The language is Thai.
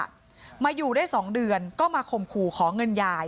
พี่น้องของผู้เสียหายแล้วเสร็จแล้วมีการของผู้เสียหาย